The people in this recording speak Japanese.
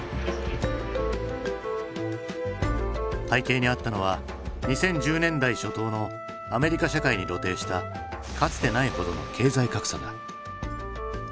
背景にあったのは２０１０年代初頭のアメリカ社会に露呈したかつてないほどの経済格差だ。